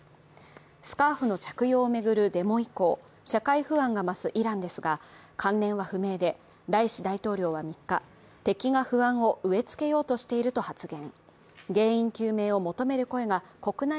スカーフの着用を巡るデモ以降社会不安が増すイランですが関連は不明で、ライシ大統領は３日敵が不安を植えつけようとしていると発言。